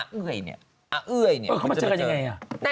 เอ้ยเนี่ยอาเอ้ยเนี่ยเขามาเจอกันยังไงอ่ะ